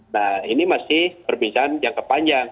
nah ini masih perbincangan jangka panjang